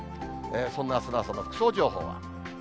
そんなあすの朝の服装情報。